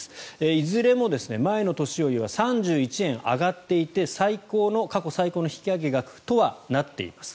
いずれも前の年よりは３１円上がっていて過去最高の引き上げ額とはなっています。